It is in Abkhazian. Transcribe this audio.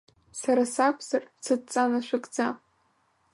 Сара сакәзар, сыдҵа нашәыгӡа.